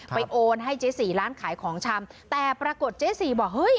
โอนให้เจ๊สีร้านขายของชำแต่ปรากฏเจ๊สีบอกเฮ้ย